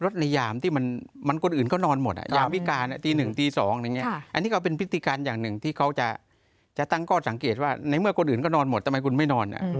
สมมติทำไมคุณไม่นอนอ่ะ